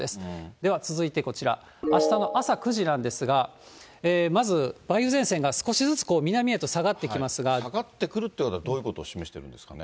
では続いてこちら、あしたの朝９時なんですが、まず梅雨前線が少下がってくるってことは、どういうことをしめてるんですかね。